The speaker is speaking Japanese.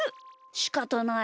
しかたない。